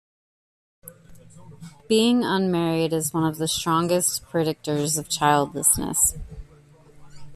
Being unmarried is one of the strongest predictors of childlessness.